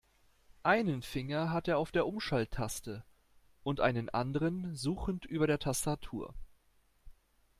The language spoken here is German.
Einen Finger hat er auf der Umschalttaste und einen anderen suchend über der Tastatur.